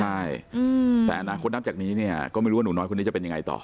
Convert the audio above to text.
ใช่แต่อนาคตนับจากนี้เนี่ยก็ไม่รู้ว่าหนูน้อยคนนี้จะเป็นยังไงต่อ